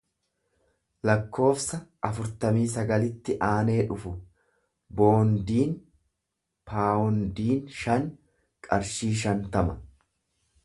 lakkoofsa afurtamii sagalitti aanee dhufu; Boondiin bawundiin shani qarshii shantama.